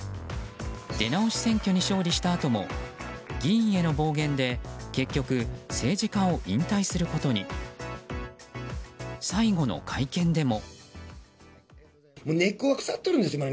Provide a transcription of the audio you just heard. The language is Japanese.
出直し選挙に勝利したあとも議員への暴言で結局、政治家を引退することに最後の会見でも。